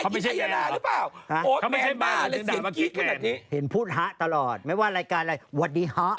ไม่ใช่ฉันหมายถึงว่าทายอินไอยาราหรือเปล่า